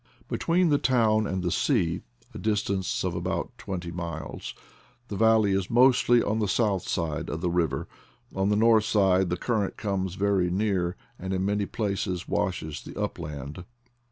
Between the town and the sea, a distance of about twenty miles, the valley is mostly on the south side of the river; on the north side the cur rent comes very near, and in many places washes the upland.